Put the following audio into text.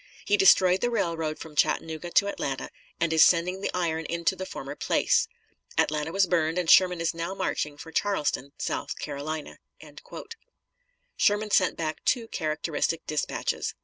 He destroyed the railroad from Chattanooga to Atlanta, and is sending the iron into the former place. Atlanta was burned, and Sherman is now marching for Charleston, S.C.'" Sherman sent back two characteristic dispatches.